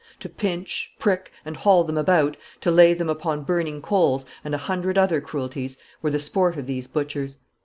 To pinch, prick, and haul them about, to lay them upon burning coals, and a hundred other cruelties, were the sport of these butchers.